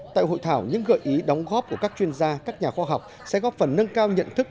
tại hội thảo những gợi ý đóng góp của các chuyên gia các nhà khoa học sẽ góp phần nâng cao nhận thức